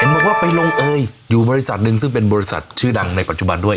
บอกว่าไปลงเอยอยู่บริษัทหนึ่งซึ่งเป็นบริษัทชื่อดังในปัจจุบันด้วย